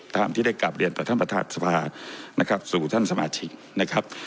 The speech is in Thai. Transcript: ตามที่ได้กลับเรียนต่อท่านประธานสภานะครับสู่ท่านสมาชิกนะครับ